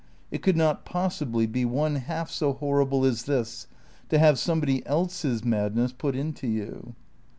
It could not possibly be one half so horrible as this, to have somebody else's madness put into you.